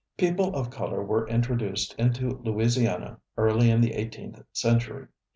People of color were introduced into Louisiana early in the eighteenth century.